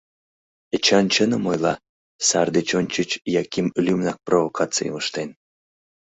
Эчан чыным ойла, сар деч ончыч Яким лӱмынак провокацийым ыштен.